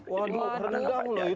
waduh rendang loh itu